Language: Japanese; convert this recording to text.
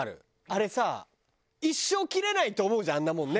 あれさ一生切れないって思うじゃん